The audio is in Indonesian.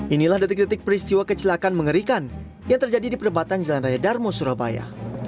inilah detik detik peristiwa kecelakaan mengerikan yang terjadi di perempatan jalan raya darmo surabaya